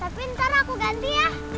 tapi ntar aku ganti ya